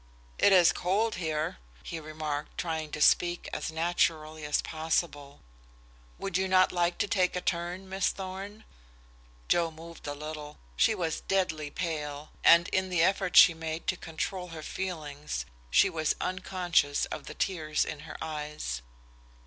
"It is cold here," he remarked, trying to speak as naturally as possible. "Would you not like to take a turn, Miss Thorn?" Joe moved a little. She was deadly pale, and in the effort she had made to control her feelings she was unconscious of the tears in her eyes.